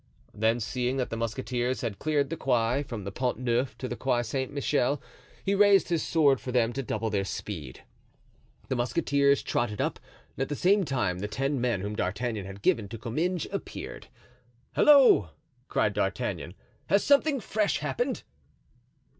Then seeing that the musketeers had cleared the Quai from the Pont Neuf to the Quai Saint Michael, he raised his sword for them to double their speed. The musketeers trotted up, and at the same time the ten men whom D'Artagnan had given to Comminges appeared. "Halloo!" cried D'Artagnan; "has something fresh happened?"